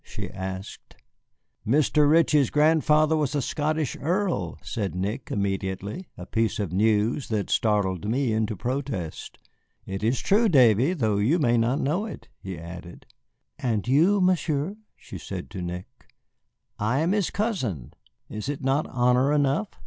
she asked. "Mr. Ritchie's grandfather was a Scottish earl," said Nick, immediately, a piece of news that startled me into protest. "It is true, Davy, though you may not know it," he added. "And you, Monsieur?" she said to Nick. "I am his cousin, is it not honor enough?"